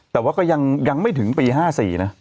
แต่ว่าก็ยังไม่ถึงปี๕๔นะ